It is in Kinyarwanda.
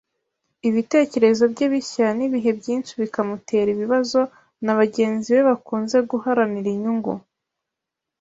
Ibitekerezo bye bishya nibihe byinshi bikamutera ibibazo na bagenzi be bakunze guharanira inyungu.